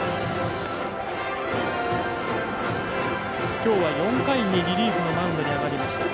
きょうは４回にリリーフのマウンドに上がりました。